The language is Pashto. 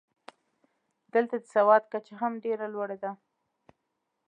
دلته د سواد کچه هم ډېره لوړه ده.